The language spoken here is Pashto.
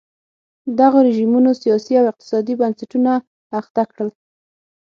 دغو رژیمونو سیاسي او اقتصادي بنسټونه اخته کړل.